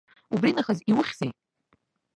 Убринахыс иухьзеи?